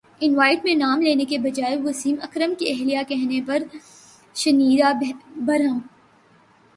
event میں نام لینے کے بجائے وسیم اکرم کی اہلیہ کہنے پر شنیرا برہم